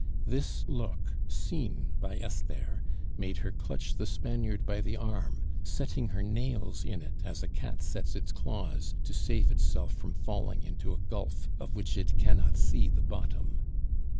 This look, seen by Esther, made her clutch the Spaniard by the arm, setting her nails in it as a cat sets its claws to save itself from falling into a gulf of which it cannot see the bottom.